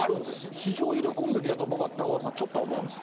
市場を入れ込むべきだと僕は高岡さん、ちょっとは思うんです